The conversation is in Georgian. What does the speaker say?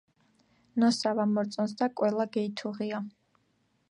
ნოსა ვამორწონს და კველა გეითუღია.